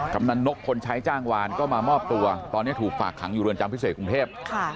กำลังนกคนใช้จ้างวานก็มามอบตัวตอนนี้ถูกฝากขังอยู่เรือนจำพิเศษกรุงเทพ